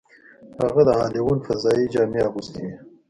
هغه د هالووین فضايي جامې اغوستې وې